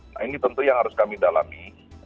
nah ini tentu yang harus kami dalami